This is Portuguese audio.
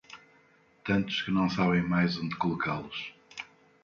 Tantos que não sabem mais onde colocá-los.